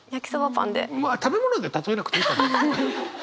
まあ食べ物で例えなくていいと思う。